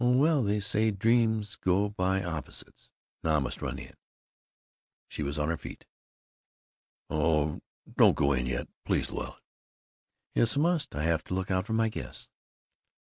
"Oh, well, they say dreams go by opposites! Now I must run in." She was on her feet. "Oh, don't go in yet! Please, Louetta!" "Yes, I must. Have to look out for my guests."